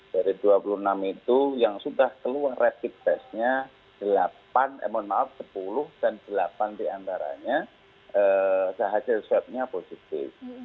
dari dua puluh enam itu yang sudah keluar rapid testnya delapan eh mohon maaf sepuluh dan delapan diantaranya hasil swabnya positif